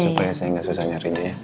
supaya saya gak susah nyari dia ya